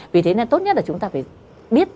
vì thế nên tốt nhất là chúng ta phải biết